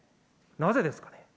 なぜですか。